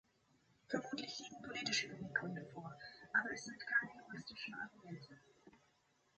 Vermutlich liegen politische Beweggründe vor, aber es sind keine juristischen Argumente.